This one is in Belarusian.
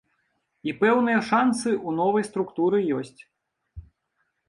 І пэўныя шанцы ў новай структуры ёсць.